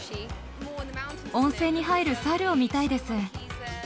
温泉に入る猿を見たいです。